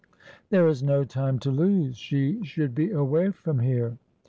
There is no time to lose. She should be away from here."